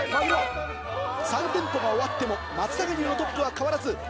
３店舗が終わっても松阪牛のトップは変わらず。